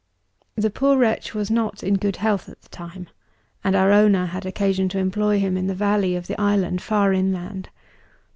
"The poor wretch was not in good health at the time; and our owner had occasion to employ him in the valley of the island far inland.